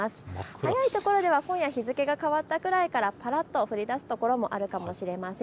早いところでは今夜日付が変わったころくらいからぱらっと降りだす所があるかもしれません。